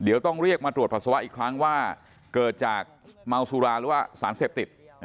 เดี๋ยวต้องเรียกมาตรวจปัสสาวะอีกครั้งว่าเกิดจากเมาสุราหรือว่าสารเสพติด